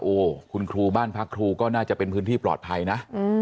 คุณครูบ้านพักครูก็น่าจะเป็นพื้นที่ปลอดภัยนะ